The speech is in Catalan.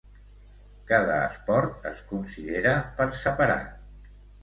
Cada esport es considera per separat.